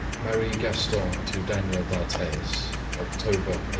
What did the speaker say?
MARIE GASTON TO DANIEL D'ARTHEZ October 1833.